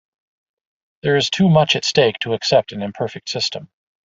There is too much at stake to accept an imperfect system.